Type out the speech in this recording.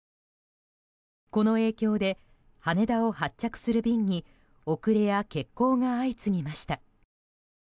この影響で、羽田を発着する便に遅れや欠航が相次ぎました。